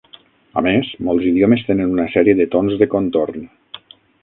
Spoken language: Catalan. A més, molts idiomes tenen una sèrie de tons de contorn.